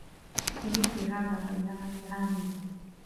لِمِثْلِ هَذَا فَلْيَعْمَلْ الْعَامِلُونَ